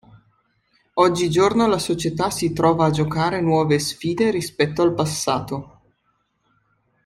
Oggigiorno la società si trova a giocare nuove sfide rispetto al passato.